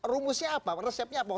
rumusnya apa resepnya apa